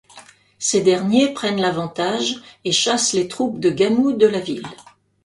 Ces derniers prennent l'avantage et chassent les troupes de Gamou de la ville.